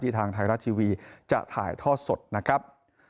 ทางไทยรัฐทีวีจะถ่ายทอดสดนะครับ